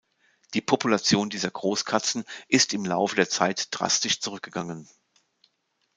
Die Population dieser Großkatzen ist im Laufe der Zeit drastisch zurückgegangen.